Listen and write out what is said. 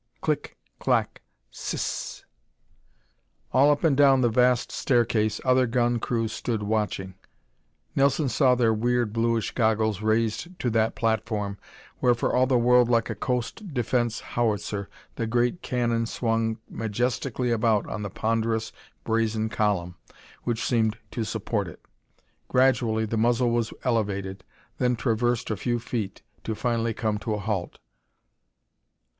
Click! Clack! Sis s s s! All up and down the vast staircase other gun crews stood watching. Nelson saw their weird, bluish goggles raised to that platform where, for all the world like a coast defense howitzer, the great cannon swung majestically about on the ponderous, brazen column which seemed to support it. Gradually the muzzle was elevated, then traversed a few feet, to finally come to a halt.